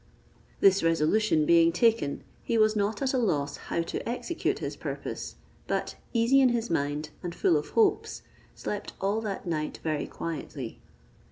This resolution being taken, he was not at a loss how to execute his purpose; but easy in his mind, and full of hopes, slept all that night very quietly.